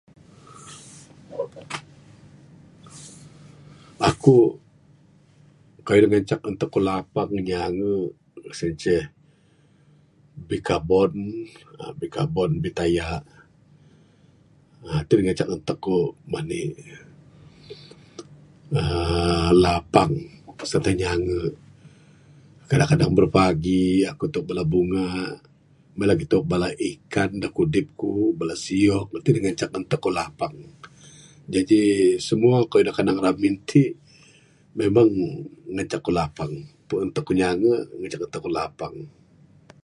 Aku, kayuh da ngancak entek ku lapang nyange sien ceh bikabon, uhh bikabon, bitayak, matik ngancak entek ku mani'k uhh lapang serta nyange. Kadang kadang burupagi aku tubek bala bunga. Meng en lagih ku tubek bala ikan da kudip ku bala siok deh lagih ngancak entek ku lapang. Jaji simua kayuh da kanang ramin ti memang ngancak ku lapang, ngancak entek ku nyange ngancak entek ku lapang.